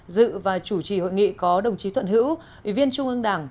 dự và chủ trì hội nghị có đồng chí thuận hữu ủy viên trung ương đảng